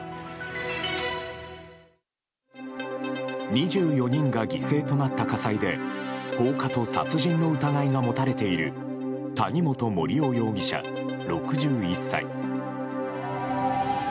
２４人が犠牲となった火災で放火と殺人の疑いが持たれている谷本盛雄容疑者、６１歳。